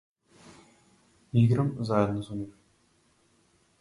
Играм заедно со нив.